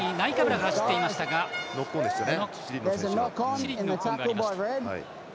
チリにノックオンがありました。